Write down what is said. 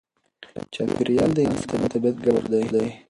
چاپېریال د انسان او طبیعت ګډ کور دی.